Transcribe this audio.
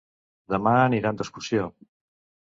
Demà aniran d'excursió.